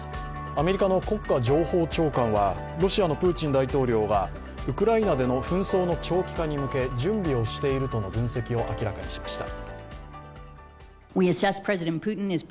アメリカの国家情報長官はロシアのプーチン大統領がウクライナでの紛争の長期化に向け準備をしているとの分析を明らかにしました。